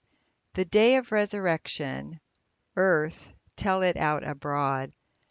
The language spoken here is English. The day of resurrection ! Earth, tell it out abroad !